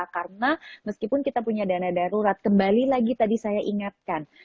karena meskipun kita punya dana darurat kembali lagi tadi saya ingatkan